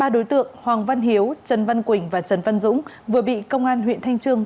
ba đối tượng hoàng văn hiếu trần văn quỳnh và trần văn dũng vừa bị công an huyện thanh trương